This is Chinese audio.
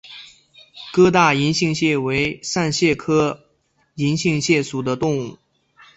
疙瘩银杏蟹为扇蟹科银杏蟹属的动物。